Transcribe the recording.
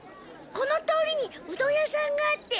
この通りにうどん屋さんがあって。